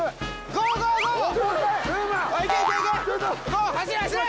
ゴー走れ走れ！